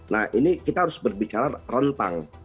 nah ini kita harus berbicara rentang